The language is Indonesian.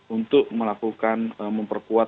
untuk melakukan memperkuat